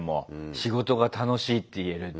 仕事が楽しいって言えるって。